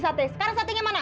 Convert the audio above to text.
sate sekarang satenya mana